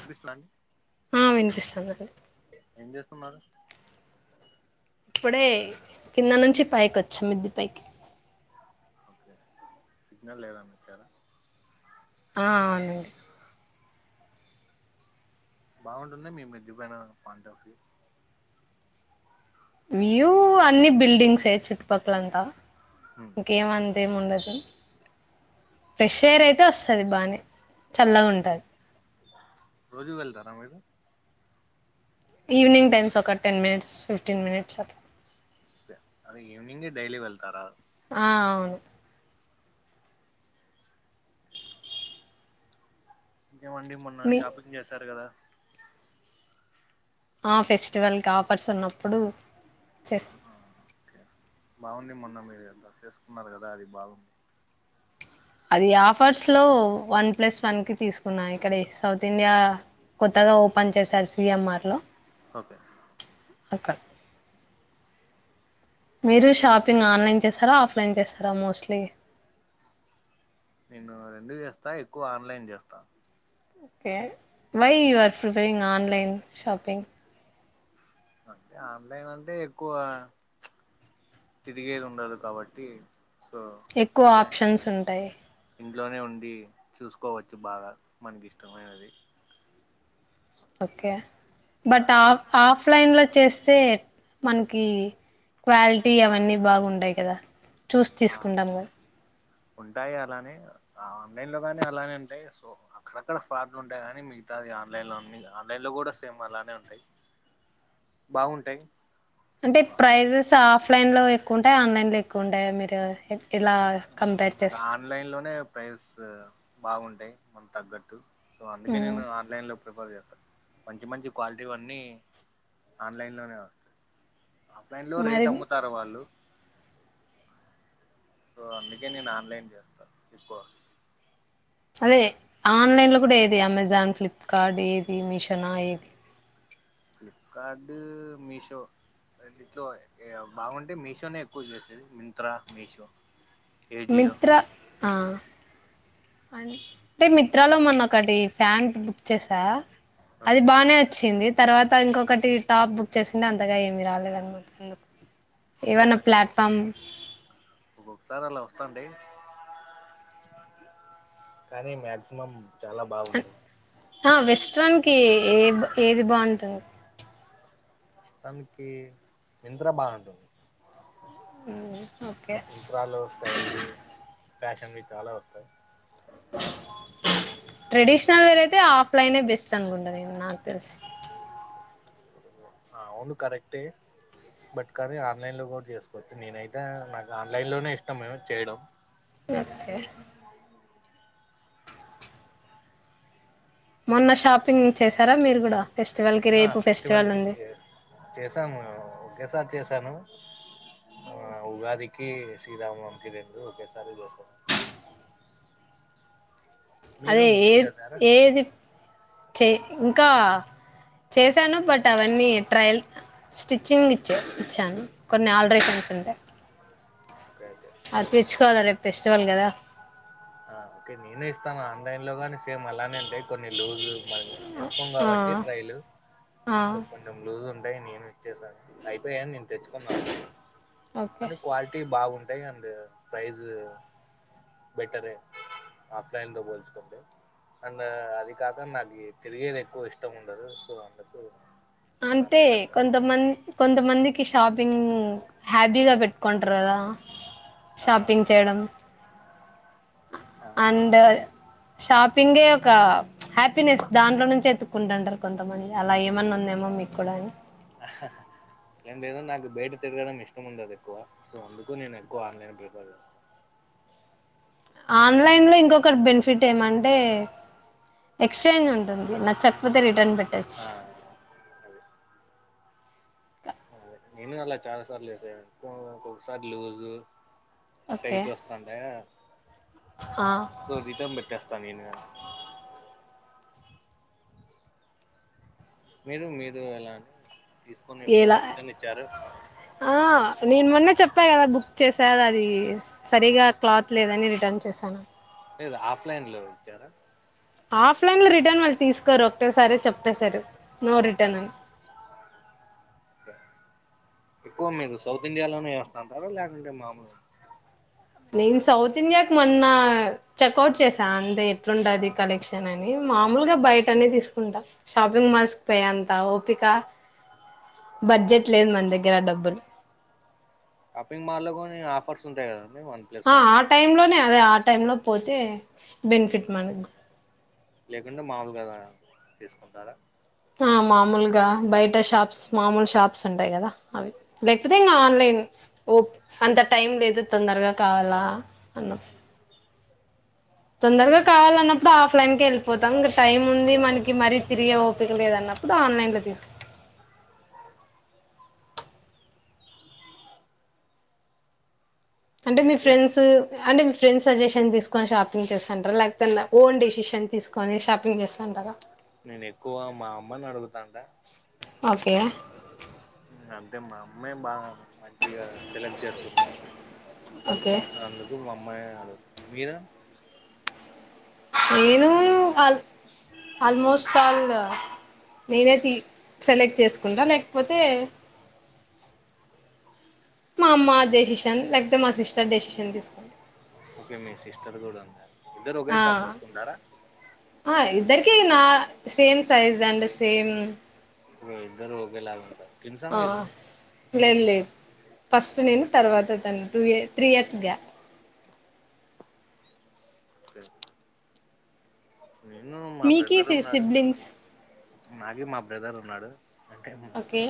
వినిపిస్తలన్డి ఆ వినిపిస్తుందండి ఏం చేస్త్ స్తున్నారు ఇప్పుడే కింద నుంచి పైక వచ్చా మిద్ది పైకి ఓకే సిగ్నల్ లేదని వచ్చారా ఆ అవునండి బావుంటాది మీ మిద్ది పైన పాయింట్ ఆఫ్ వ్యూ వ్యూ అన్ని బిల్డింగ్సే చుట్టు పక్కలంతా హ్మ్. ఇంకేవంత్ ఏముండదు ఫ్రెష్ ఎయిర్ అయితే వస్తుంది బానే చల్లగా ఉంటుంది. రోజు వెళ్తారా మీరు ఈవినింగ్ టైమ్స్ ఒక టెన్ మినిట్స్ ఫిఫ్టీన్ మినిట్స్ అట్ల అదే ఈవెనింగ్ డైలీ వెళ్తారా ఆ అవును ఇంకేమండి మొన్న మీ షాపింగ్ చేశారు కదా ఆ ఫెస్టివల్ కి ఆఫర్స్ ఉన్నామ్ అప్పుడు చెస్ ఆ, ఓకే బాగుంది మొన్న మీరు డ్రెస్ ఏసుకున్నారు కదా అది బాగుంది అది ఆఫర్స్లో వన్ ప్లస్ వన్కి తీసుకున్నాను ఇక్కడ సౌత్ ఇండియా కొత్తగా ఓపెన్ చేశారు సిఎంఆర్లో ఓకె అక్కడ మీరు షాపింగ్ ఆన్లైన్ చేస్తారా ఆఫ్లన్ చేస్తారా మోస్ట్లీ నేను రెండు చేస్తా ఎక్కువ ఆన్లన్ చేస్తా okay why you are preferring online shopping అంటే ఆన్లన్ అంటే ఎక్కువ తిరిగేది ఉండదు కాబట్టి సో ఎక్కువ ఆప్షన్స్ ఉంటాయి ఇంట్లోనె ఉండి చూసుకోవచ్చు బాగా మనకి ఇష్టమైనది ఓకె బట్ ఆఫ్ ఆఫ్లైన్ లో చేస్తే మనకి క్వాలిటీ అవన్నీ బాగుంటాయి కదా చూసి ఆ తీసుకుంటాము గా ఉంటాయి అలానే ఆన్లైన్ లొ గాని అలానే ఉంటాయి సో అక్కడక్కడ ఫ్రాడ్లు ఉంటాయి కానీ మిగతావి అన్ని ఆన్లైన్ లొ అన్ని ఆన్లైన్ లొ కూడా సేమ్ అలానె ఉంటాయి బాగుంటాయి అంటే ప్రైజెస్ ఆఫ్ ఆఫలైన్లో ఎక్కువ ఉంటాయ ఆన్లన్లో ఎక్కువ ఉంటాయ మీరు ఇలా కంపేర్ నాకు చేస్తారు ఆన్లైన్ లోనె ప్రైస్ బాగుంట టాయి తగ్గట్టు సో అందుకే మ్మ్. నేను ఆన్లైన్ లో ప్రిఫర్ చేస్తా మంచి మంచి క్వాలిటీవన్నీ ఆన్లైన్లోనె ఆఫ్లైన్ లో మరి రేట్ అమ్ముతారు వాళ్ళు సో అందుకె నేను ఆన్లైన్ చేస్త ఎక్కువ అదే అండ్ ఆన్లైన్ లొ ఇప్పుడేది అమెజాన్ ఫ్లిప్ కార్ట్ ఏది మీషో నా ఏది ఫ్లిప్కార్డు మీషో రెండిట్లో బాగుంటే మీషోనే ఎక్కువ చూసేది మింత్రా మీషో ఏజియో మిత్రా ఆ అం టే మిత్రాలో మొన్నోకటి ఫ్యాంట్ బుక్ చేసా అది ఓకే బానే వచ్చింది తర్వాత ఇంకొకటి టాప్ బుక్ చేసిండె అంతగా ఏమి రాలేదనమాట అందుకు ఓకే ఏవన్న అదే ప్లాట్ఫామ్ ప్పండి కానీ మ్యాక్సిమం హ హా వెస్ట్రన్ కి ఏ ఏది బావుంటుంది ష్ట్రన్ కి మింత్రా బావుంటుంది ఓకే మిన్ త్రా లో స్టైల్ వ్యూ ఫ్యాషన్ వి చాలా వస్తాయి ఆ ట్రెడిషనల్ వేర్ అయితే ఆఫ్లైనే బెస్ట్ అనుకుంట నేను నాకు తెలిసి అ అవును కరెక్టే బట్ కానీ ఆన్లైన్ లో కూడా చేసుకోవచ్చు నేనైతే నాకు ఆన్లైన్ లోనే ఇష్టం చేయడం ఓకే మొన్న షాపింగ్ చేసారా మీరు కూడా ఫెస్టివల్ కి ఆ రేపు ఫెస్టివల్ కి ఉంది చే చేసాము కేసారి చేశాను ఆ ఉగాదికి శ్రీరామనవమి కి రెండూ ఒకేసారి చేశాను మీరు అదే మీరు ఏ చేసారా ఏది చే ఇంకా చేశాను బట్ అవన్నీ ట్రయల్ స్టిచ్చింగ్ ఇచ్చే ఇచ్చాను కొన్ని ఆల్ట్రేషన్స్ ఉంటాయి ఓకే ఓకే అది తేచ్చుకోవాలి రేపు ఫెస్టివల్ కదా లోగానే సేమ్ అలానే అంటే కొన్ని లూజ్ మళ్ళిే వేసుకోం ఆ కాబట్టి ట్రైలు ఆ సో కొంచెం లూజ్ ఉన్ టైనిమి చేసా అయిపోయాయని నేను తెచ్చుకున్న ఆల్రెడీ ఓకే అండ్ క్వాలి బాగుంటాయి అండి ప్రైజ్ బెటరే ఆఫ్లైన్ లో పోల్చుకుంటే అండ్ అది కాక నాకి తిరిగేది ఎక్కువ ఇష్టం ఉండదు సో అందుకు అంటే ఆన్లైన్ లో కొంతమం కొంతమందికిష్ షాపింగ్ హ్యాబి గా పెట్టుకుంటరు కదా ఆ షాపింగ్ చేయడం ఆ అండ్ షాపింగే ఒక హ్యాపీనెస్ దాంట్లో నుంచి ఎతుక్కుంటంటారు కొంతమంది అలా ఏమన్నా ఉందేమో మీకు కూడా అని హ హా ఎం లేదండి నాకు బయట తిరగడం ఇష్టం ఉండదు ఎక్కువ సో అందుకు నేను ఎక్కువ ఆన్లైన్ ప్రిఫర్ చేస్తా ఆన్లైన్ లో ఇంకొకటి బెనిఫిట్ ఏమంటే ఎక్స్చేంజ్ ఉంటుంది నచ్చకపోతే రిటర్న్ పెట్ట ఆ అదే నేను అలా చాలా సార్లు చేసాను కొ ఒక్కొక్కసారి సారి లూజు ఓకే టైట్ వస్తాంట ఆ సో రీటన్ పెట్టేస్తా తనిన మీరు మీరు ఎలాని తీసుకొని ఎలా ఎప్పుడైనా రిటర్న్ ఇచ్చార ఆ నేను మొన్న చెప్పా కదా బుక్ చేసా అ అది సరిగా క్లాత్ లేదని రిటర్న్ చేశాను లేదు ఆఫ్లైన్ లో ఇచ్చారా ఆఫ్ లైన్ లో రిటర్న్ వాళ్ళు తీసుకోరు ఒకటె సారి చెప్పసారు నో రిటర్న్ అని ఎక్కువ మీరు సౌత్ ఇండియాలోనే వస్తాంటారా లేకుంటే మామూలుగా నేను సౌత్ ఇండియాకి మొన్న చెక్ఔట్ చేసా అంతే ఎట్లుంటది కలెక్షన్ అని మామూలుగా బయటనే తీసుకుంటా షాపింగ్ మాల్స్ పోయేంత ఓపిక బడ్జెట్ లేదు మన దగ్గర డబ్బులు షాపింగ్ మాల్లో కొని ఆఫర్స్ ఉంటాయి కదా ఆ ఆటైమ్ లోనే అదే ఆ టైమ్ లో పోతే బెనిఫిట్ మనగు లేకుండా మామలు గదా తీసుకుంటారా మామూలుగా బయట షాప్స్ మామూలు షాప్స్ ఉంటాయి కదా అవి లేకపోతే ఇంకా ఆన్లైన్ ఓ అంత టైం లేదు తొందరగా కావాలా అన్నప్పుడ్ తొందరగా కావాలన్నప్పుడు ఆఫ్లైన్ కే వెళ్ళిపోతాం ఇంకా టైం ఉంది మనకి మరీ తిరిగే ఓపిక లేదు అన్నప్పుడు ఆన్లైన్ లో తీసుకు అంటే మీ నేనైతే ఫ్రెండ్సు అంటే మీ ఫ్రెండ్స్ సజెషన్ తీసుకొని షాపింగ్ చేస్తుంటారా లేకపోతే ఓన్ డెసిషన్ తీసుకొని షాపింగ్ చేస్తాంటారా నేను ఎక్కువ మా అమ్మని అడుగుతాంట ఓకే అన్ అంటే మా అమ్మ బాగా మంచిగా సెలెక్ట్ చేస్తుంది ఓకే సో అందుకు మమ్మయే ఓ మీరు నేను ఆల్ ఆల్మోస్ట్ ఆల్ నేనే తీస్ సెలెక్ట్ చేసుకుంటా లేకపోతే మా అమ్మ డెసీషన్ లేకపోతే మా సిస్ట ఓకే మీ సిస్టర్ కూడా ఉందా. ఇద్దరు ఆ ఒకేసారి తీసుకుంటారా ఆ ఇద్దర్ కీ నా సేమ్ సైజ్ అండ్ సేమ్ ఉం ఇద్దరు ఒకేలగుంటారు ట్విన్సా ఆ మీరు లేదు లేదు ఫస్ట్ నేను తర్వాత తను టూ ఇయ త్రీ ఇయర్స్ గ్యాప్ [unintelligible] నేను మా మీకి బ్రదర్ సి ఉన్నాడు సిబ్లింగ్స్ నాగిమా బ్రదర్ ఉన్నాడు. అంటేమ్ ఓకే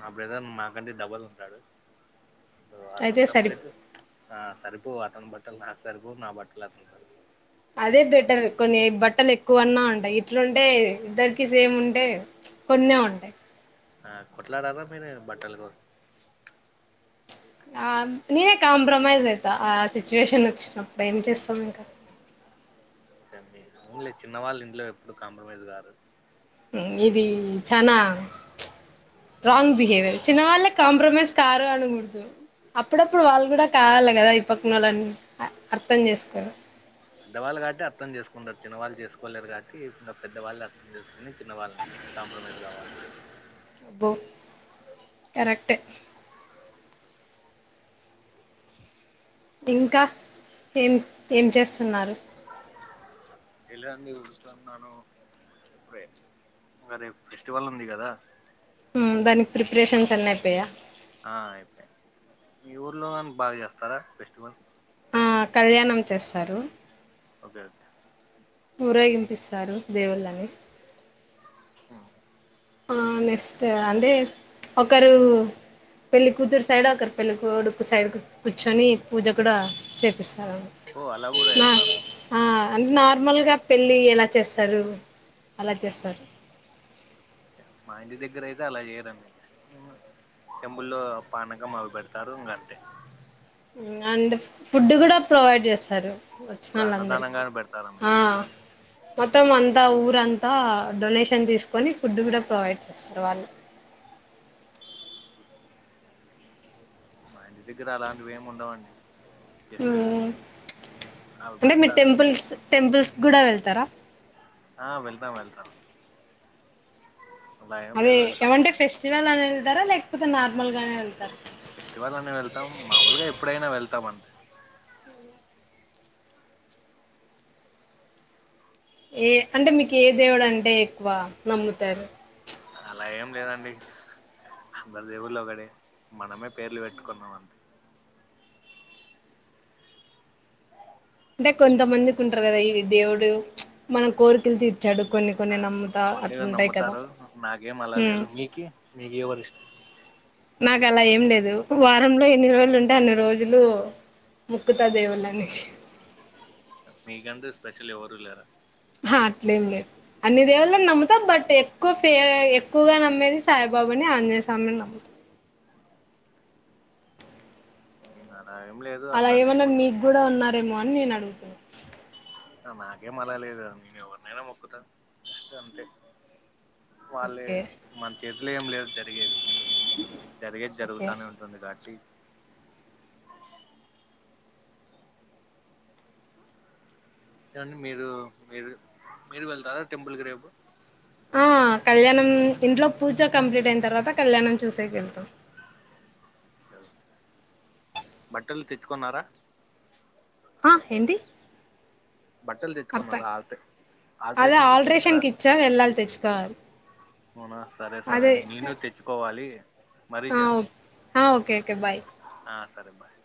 మా బ్రదర్ నాకంటే డబ్బల్ ఉంటాడు సో అయితే అదంత సరి ప్లేటు ఆ సరిపోవ్ అతని బట్టలు నాకు సరిపోవ్ నా బట్టలు అతనికి సరిపోవ్ అదే బెటర్ కొన్ని బట్టలు ఎక్కువన్నా ఉంటాయి. ఇట్లుంటే ఇద్దరికి సేమ్ ఉంటే కొన్నే ఉంటాయి. ఆ కొట్లాడాల మీరు బట్టల కోసం ఆ నేనే కాంప్రమైజ్ అయితా ఆ సిచ్యువేషన్ వచ్చినప్పుడు ఏం చేస్తాం ఇంకా ఓకే మీర్ ఓన్లీ చిన్న వాళ్ళు ఇంట్లో ఎప్పుడు కాంప్రమైజ్ కరు ఇది చానా రాంగ్ బిహేవియర్ చిన్న వాళ్ళే కాంప్రమైజ్ కారు అనకూడదు అప్పుడప్పుడు వాళ్ళు కూడా కావాలి కదా ఇప్పుకునాలన్నీ అ అర్తం చేసుకోరు కొందరు చిన్నవాళ్ళు చేసుకోలేరు కాబట్టి ఇంగ పెద్దవాళ్ళే అర్థం చేసుకొని చిన్నవాళ్ళని కాంప్రమైజ్ కావాలి అబ్బో కరెక్టే ఇంకా ఏం ఎమ్ చేస్తున్నారు ఎల్లంది ఉకుతున్నాను ఇప్పుడే ఇంకా రేప్ ఫెస్టివల్ ఉంది కదా హు దానికి ప్రిపరేషన్స్ అన్ని అయిపోయా ఆ అయిపోయి మీ ఊర్లో గని బాగా చేస్తారా ఫెస్టివల్ ఆ కళ్యాణం చేస్తారు ఓకే ఓకే ఊరేగింపిస్తారు దేవుళ్ళని హు ఆ నెస్ట్ అంటే ఒకరు పెళ్ళికూతురు సైడ్ ఒకరు పెళ్లిికడుకు సైడ్ కూర్చొని పూజ కూడా చేపిస్తారు ఓ అలా కూడా నా చేస్తారా ఆ అంటే నార్మల్గా పెళ్ళి ఎలా చేస్తారు అలా చేస్తారు మా ఇంటి దగ్గర అయితే అలా చేయరండి టెంపుల్లో పానాకం అవి పెడతారు ఇంగంతే హు అండ్ ఫుడ్ కూడా ప్రొవైడ్ చేస్తారు ఒక వచ్చినోళ్ళందరికి అన్నదానంగానే పెడతారా అందరికి ఆ మీరు మొత్తం అం అంత ఊరంతా డొనేషన్ తీసుకొని ఫుడ్ కూడా ప్రొవైడ్ చేస్తారు వాళ్ళు మా ఇంటి దగ్గర అలాంటివి ఏమి ఉండవండి హు జస్ట్ అవి అంటే మీరు పెడతారు టెంపుల్స్ టెంపుల్స్ గుడ వెళ్తారా ఆ వెళ్తాం వెళ్తాం అలా ఏం అదే లేదు వెళ్తాం ఏమంటే ఫెస్టివల్ అని వెళ్తారా లేక్ ఫెస్టివల్ అని వెళ్తాం మామూలుగా ఎప్పుడైనా వెళ్తాము అంతే ఏ అంటే మీకు ఏ దేవుడు అంటే ఎక్కువ నమ్ముతారు అలా ఏం లేదండి అందరి దేవుల్లు ఒకటే మనమే పేర్లు పెట్టుకున్నాం అంతే అంటే కొంతమందికి ఉంటారు కదా ఈ దేవుడు మనం కోరికెలు తి ఆ కొంతమందిగా కదా నమ్ముతారు నాకేం అలా ఉమ్ లేదు మీకి మీకు ఎవరు ఇష్టం నాకు అలా ఏం లేదు వారంలో ఎన్ని రోజులు ఉంటే అన్ని రోజులు మొక్కుతా దేవుళ్ళని మీకంటు స్పెషల్లీ ఎవరు లేరా హా అట్లేం లేదు అన్ని దేవుళ్లు నమ్ముతాం బట్ ఎక్కువ ఫే ఎక్కువగా నమ్మేది సాయిబాబని ఆంజనేయస్వామిని నమ్ముతాం నేను అలా ఏం లేదు అలా అందరినీ ఏమన్నా మీకు మొక్కుతా కూడా ఉన్నారేమో అనీ నేను అడుగుతున్న నాగే మలా లేదు నేను ఎవర్ననా ముొకుతా అది అంతే వాళ్ళే ఓకే మంచి చేతులేం లేదు జరిగేది జరిగేది ఓకే జరుగుతానే ఉంటుంది కాట్టి కానీ మీరు మీరు మీరు వెళ్తారా టెంపుల్ కి రేపు ఆ కళ్యాణం ఇంట్లో పూజ కంప్లీట్ అయిన తర్వాత కళ్యాణం చూసేకి వెళ్తాం బట్టలు తెచ్చుకున్నారా ఆ హేన్దీ బట్టలు తెచ్చుకున్నార ఆల్టై అదే ఆల్ట్రేషన్ కు ఇచ్చారు కదా ఆల్ట్రేషన్కి ఇచ్చా వెళ్ళాలి తెచ్చుకోవాలి అవునా సరే సరే అదే నేను తెచ్చుకోవాలి మరీ చేస్తాం ఆ ఓకే ఓకే బాయ్ ఆ సరే బాయ్